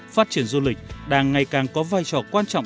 phát triển du lịch đang ngày càng có vai trò quan trọng